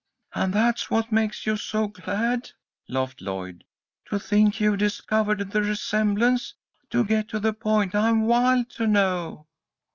"And that's what makes you so glad," laughed Lloyd, "to think you've discovered the resemblance? Do get to the point. I'm wild to know."